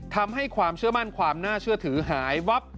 ทำให้ความเชื่อมั่นความน่าเชื่อถือหายวับ